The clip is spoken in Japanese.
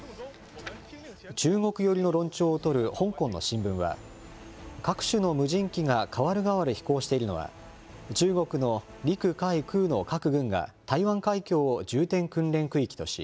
中国よりの論調を取る香港の新聞は、各種の無人機がかわるがわる飛行しているのは、中国の陸海空の各軍が台湾海峡を重点訓練区域とし、